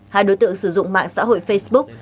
hai đối tượng sử dụng mạng xã hội facebook